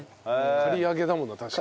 刈り上げだもんな確かに。